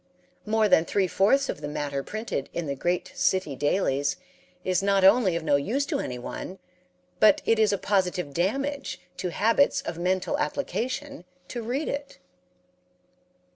More than three fourths of the matter printed in the "great city dailies" is not only of no use to anyone, but it is a positive damage to habits of mental application to read it.